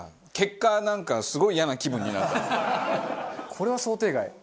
これは想定外。